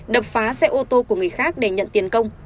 đập phá xe ô tô của người khác để nhận tiền công